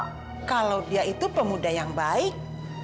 bom edo sudah pasti dapat membuat kesan